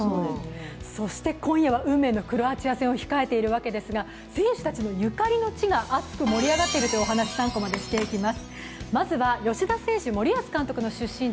そして今夜は運命のクロアチア戦を控えてるわけですが選手たちのゆかりの地が熱くなっているというお話３コマでしていきます。